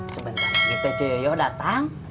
sebentar ini tuh cuyoyo datang